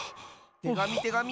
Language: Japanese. てがみてがみ！